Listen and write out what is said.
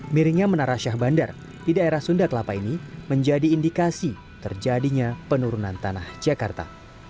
miringnya menara syah bandar di daerah sunda kelapa ini menjadi indikasi terjadinya penurunan tanah jakarta